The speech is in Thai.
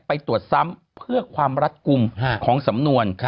ไปตรวจซ้ำเพื่อความรัดกลุ่มของสำนวน